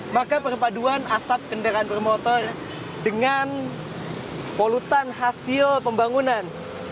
maka perpaduan asap kendaraan bermotor dengan polutan hasil pembangunan